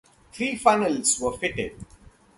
Three funnels were fitted.